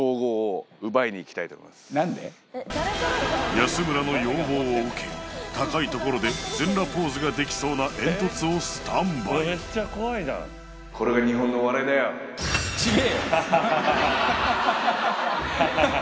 安村の要望を受け高いところで全裸ポーズができそうな煙突をスタンバイ違えよ！